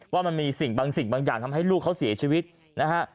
ว่ามันมีสิ่งบางสิ่งบางอย่างทำให้ลูกเขาเสียชีวิตนะฮะ